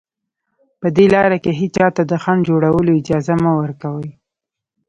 په دې لاره کې هېچا ته د خنډ جوړولو اجازه مه ورکوئ